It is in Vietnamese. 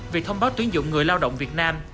việc thông báo tuyến dụng người lao động việt nam